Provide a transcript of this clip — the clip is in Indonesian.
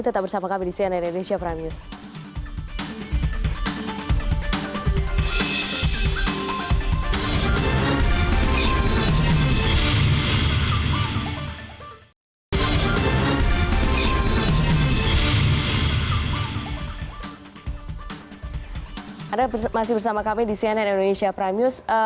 tetap bersama kami di cnn indonesia prime news